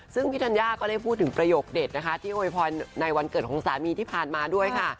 ซึ่งพี่ธัญญาก็ได้พูดถึงประโยคเด็ดนะคะที่โวยพรในวันเกิดของสามีที่ผ่านมาด้วยค่ะ